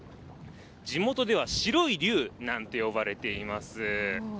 地元では、白い龍なんて呼ばれています。